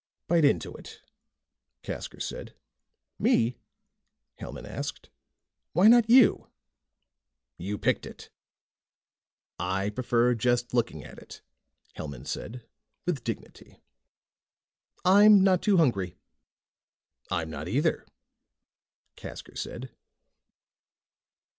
"Bite into it," Casker said. "Me?" Hellman asked. "Why not you?" "You picked it." "I prefer just looking at it," Hellman said with dignity. "I'm not too hungry." "I'm not either," Casker said.